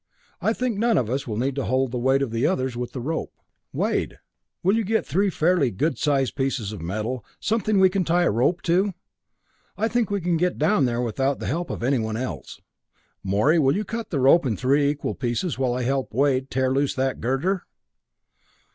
I think none of us will need to hold the weight of the others with the rope. Wade, will you get three fairly good sized pieces of metal, something we can tie a rope to? I think we can get down here without the help of anyone else. Morey, will you cut the rope in three equal pieces while I help Wade tear loose that girder?"